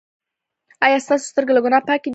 ایا ستاسو سترګې له ګناه پاکې دي؟